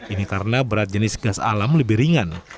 ini karena berat jenis gas alam lebih ringan